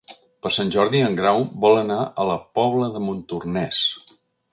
Per Sant Jordi en Grau vol anar a la Pobla de Montornès.